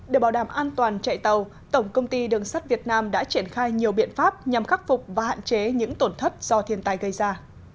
để bảo đảm an toàn chạy tàu tổng công ty đường sắt việt nam đã triển khai nhiều biện pháp nhằm khắc phục và hạn chế những tổn thất do thiên tài gây ra